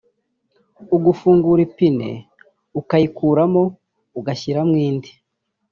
ugafungura ipine ukayikuramo ugashyiramo indi